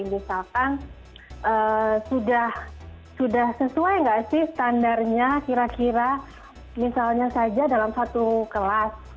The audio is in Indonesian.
misalkan sudah sesuai nggak sih standarnya kira kira misalnya saja dalam satu kelas